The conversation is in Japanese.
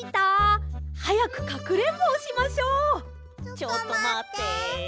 ちょっとまって。